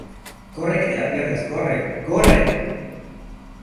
¡ corre que te la pierdes, corre! ¡ corre!